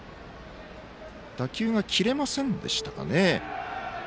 打球が切れませんでしたかね。